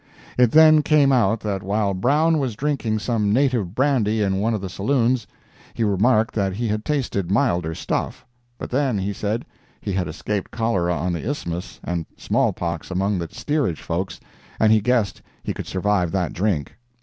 It then came out that while Brown was drinking some native brandy in one of the saloons, he remarked that he had tasted milder stuff; but then, he said, he had escaped cholera on the Isthmus and smallpox among the steerage folks, and he guessed he could survive that drink.